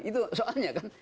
itu soalnya kan